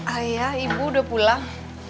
ayah ibu udah pulang